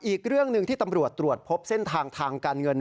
อีกเรื่องหนึ่งที่ตำรวจตรวจพบเส้นทางทางการเงิน